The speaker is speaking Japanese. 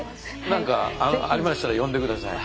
何かありましたら呼んで下さい。